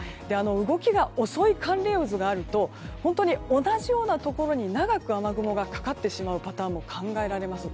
動きが遅い寒冷渦があると本当に同じようなところに長く雨雲がかかってしまうパターンも考えられます。